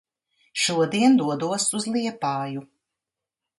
Šodien dodos uz Liepāju.